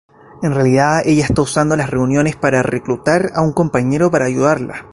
En realidad, ella está usando las reuniones para reclutar un compañero para ayudarla.